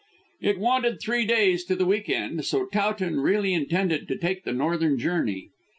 It wanted three days to the week end, so Towton really intended to take the northern journey.